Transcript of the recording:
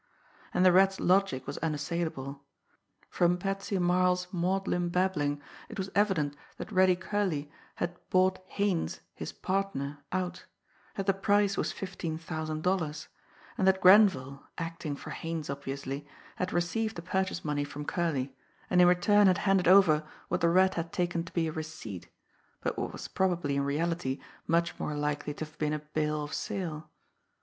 And the Rat's logic was unassailable. From Patsy Marles' maudlin babbling it was evident that Reddy Curley had bought Haines, his partner, out; that the price was fifteen thousand dollars; and that Grenville, acting for Haines obviously, had received the purchase money from Curley, and in return had handed over what the Rat had taken to be a receipt, but what was probably in reality much more likely to have been a Bill of Sale.